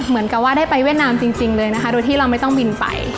เหมือนกับว่าได้ไปเวียดนามจริงเลยนะคะโดยที่เราไม่ต้องบินไป